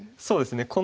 そうですね